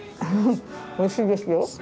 おいしいですよ。